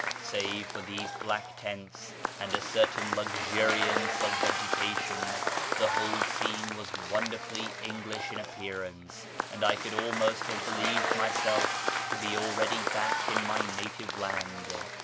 Save for these black tents, and a certain luxuriance of vegetation, the whole scene was wonderfully English in appearance, and I could almost have believed myself to be already back in my native land.